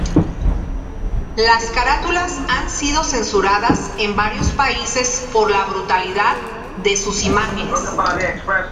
Las carátulas han sido censuradas en varios países por la brutalidad de sus imágenes.